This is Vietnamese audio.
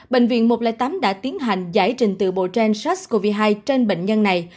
bệnh viện một trăm linh tám đã tiến hành giải trình từ bộ gen sars cov hai trên bệnh nhân này